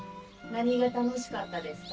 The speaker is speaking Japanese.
何が楽しかったですか？